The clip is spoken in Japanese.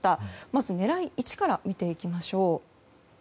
まず狙い１から見ていきましょう。